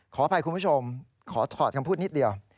ขออภัยคุณผู้ชมขอถอดคำพูดนิดเดียว